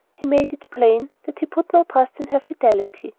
He made it plain that he put no trust in her fidelity.